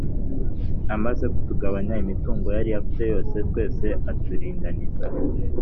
Amaze kutugabanya imitungo yari afite yose, twese aturinganiza,